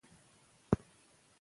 که خاله وي نو شفقت نه پاتیږي.